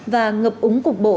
và ngập úng cục bộ